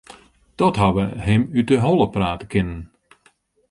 Dat hawwe wy him út 'e holle prate kinnen.